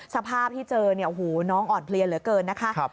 สภาพที่เจอน้องอ่อนเพลียเหลือเกินนะคะ